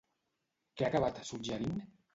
Què ha acabat suggerint?